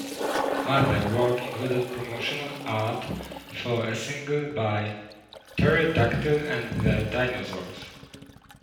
Other work included promotional art for a single by Terry Dactyl and the Dinosaurs.